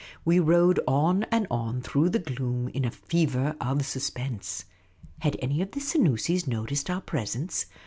We rode on and on through the gloom in a fever of suspen.se. Had any of the Senoosis noticed our presence